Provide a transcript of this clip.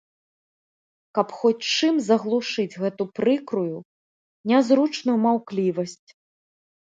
Каб хоць чым заглушыць гэту прыкрую, нязручную маўклівасць.